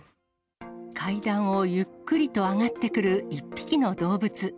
階段をゆっくりと上がってくる１匹の動物。